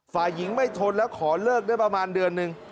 ฝ่ายหญิงไม่ทนแล้วขอเลิกได้ประมาณเดือนหนึ่ง